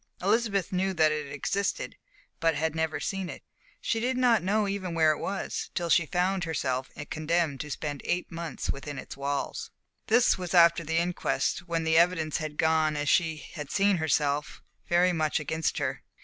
Elizabeth knew that it existed, but had never seen it. She did not know even where it was, till she found herself condemned to spend eight months within its walls. This was after the inquest, when the evidence had gone as she had seen herself, very much against her.